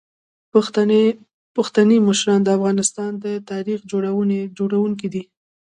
پښتني مشران د افغانستان د تاریخ جوړونکي دي.